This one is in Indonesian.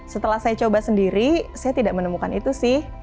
setelah saya coba sendiri saya tidak menemukan itu sih